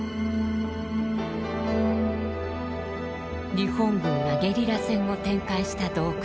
日本軍がゲリラ戦を展開した洞窟。